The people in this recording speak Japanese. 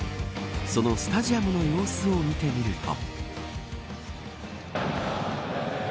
そのスタジアムの様子を見てみると。